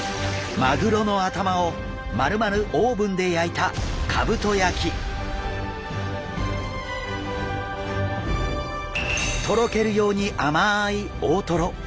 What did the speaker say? マグロの頭をまるまるオーブンで焼いたとろけるように甘い大トロ。